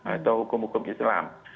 atau hukum hukum islam